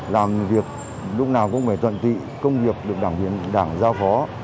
làm việc lúc nào cũng phải tuần tị công việc được đảng viên đảng giao phó